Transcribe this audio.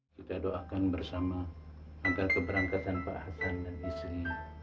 kita doakan bersama agar keberangkatan pak hasan dan istri